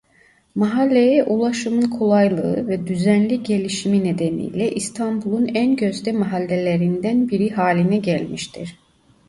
Mahalleye ulaşımın kolaylığı ve düzenli gelişimi nedeniyle İstanbul'un en gözde mahallelerinden biri haline gelmiştir.